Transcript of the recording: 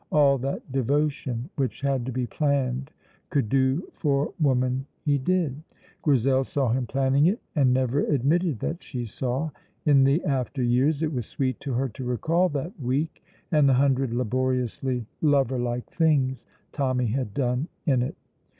All that devotion which had to be planned could do for woman he did. Grizel saw him planning it and never admitted that she saw. In the after years it was sweet to her to recall that week and the hundred laboriously lover like things Tommy had done in it.